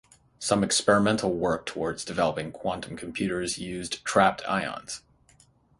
Some experimental work towards developing quantum computers use trapped ions.